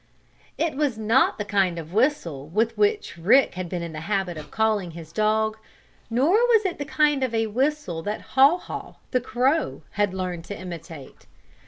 It was not the kind of a whistle with which Rick had been in the habit of calling his dog, nor was it the kind of a whistle that Haw Haw, the crow, had learned to imitate.